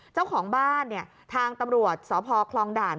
เจ้าของบ้านเนี่ยทางตำรวจสพคลองด่าน